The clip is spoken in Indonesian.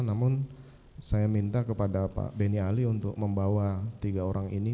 namun saya minta kepada pak benny ali untuk membawa tiga orang ini